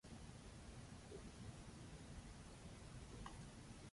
Cuanta con un clima semiseco.